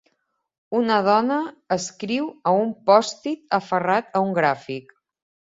Una dona escriu a un pòstit aferrat a un gràfic.